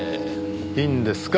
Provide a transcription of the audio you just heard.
いいんですか？